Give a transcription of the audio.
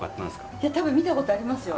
いや多分見たことありますよ。